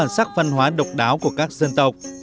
sắc văn hóa độc đáo của các dân tộc